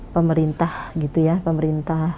pemerintah gitu ya pemerintah